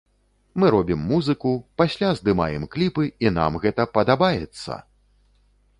Мы робім музыку, пасля здымаем кліпы і нам гэта падабаецца!